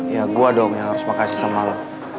ya saya yang harus berterima kasih kepada kamu